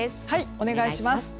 お願いします。